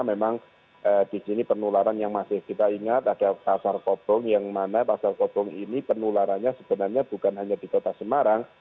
memang di sini penularan yang masih kita ingat ada pasar kopong yang mana pasar kopong ini penularannya sebenarnya bukan hanya di kota semarang